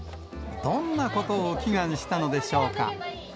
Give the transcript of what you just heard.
どんなことを祈願したのでしょうか。